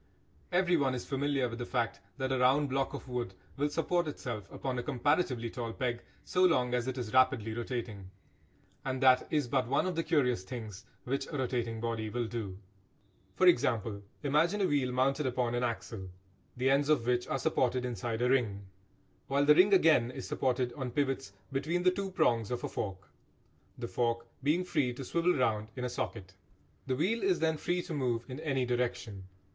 Everyone is familiar with the fact that a round block of wood will support itself upon a comparatively tall peg so long as it is rapidly rotating. And that is but one of the curious things which a rotating body will do. For example, imagine a wheel mounted upon an axle the ends of which are supported inside a ring, while the ring again is supported on pivots between the two prongs of a fork, the fork being free to swivel round in a socket. The wheel is then free to move in any direction.